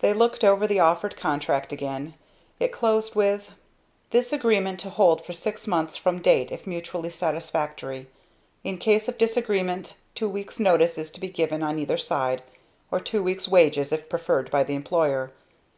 They looked over the offered contract again. It closed with: "This agreement to hold for six months from date if mutually satisfactory. In case of disagreement two weeks' notice is to be given on either side, or two weeks' wages if preferred by the employer."